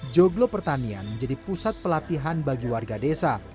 joglo pertanian menjadi pusat pelatihan bagi warga desa